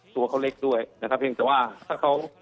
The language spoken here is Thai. ตัวเขาเล็กด้วยนะครับเพียงแต่ว่าถ้าเขา